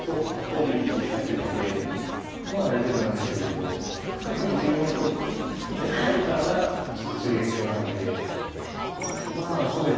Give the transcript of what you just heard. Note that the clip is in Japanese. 王手で切り返せるので今は大丈夫なんですけれども次に９四歩と一手指されたらちょっと注意が必要なのでまあそうですね